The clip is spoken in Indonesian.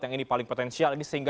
yang ini paling potensial ini sehingga